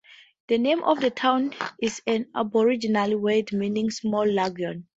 The name of the town is an Aboriginal word meaning small lagoon.